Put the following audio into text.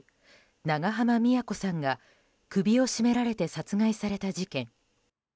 長濱美也子さんが首を絞められて殺害された事件。